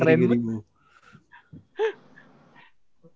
keren amat ceweknya kaya gini